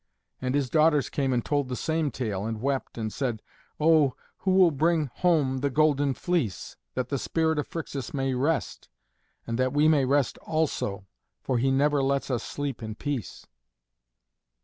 And his daughters came and told the same tale, and wept and said, "Oh, who will bring home the Golden Fleece, that the spirit of Phrixus may rest, and that we may rest also, for he never lets us sleep in peace?"